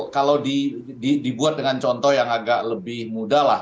kalau dibuat dengan contoh yang agak lebih mudah lah